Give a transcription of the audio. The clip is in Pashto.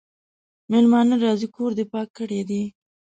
مېلمانه راځي کور دي پاک کړی دی؟